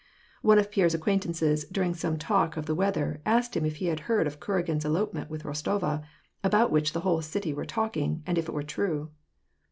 One of Pierre's acquaintances, during some talk of the weather, asked him if he had heard of Kuragin's elopement with Eostova, about which the whole city were talking, and if it were true.